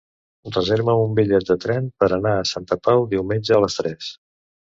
Reserva'm un bitllet de tren per anar a Santa Pau diumenge a les tres.